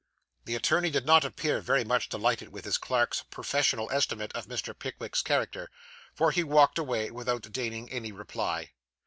The attorney did not appear very much delighted with his clerk's professional estimate of Mr. Pickwick's character, for he walked away without deigning any reply.